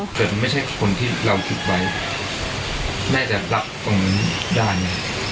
แต่ไม่ใช่คนที่เราคิดไว้แม่แทบรับตรงนี้ได้ไหม